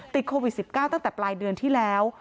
ติดโควิด๑๙ตั้งแต่ปลายเดือนที่แล้ว